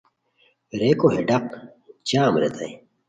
ریکو ہے ڈاق جام ریتائے